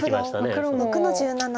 黒６の十七。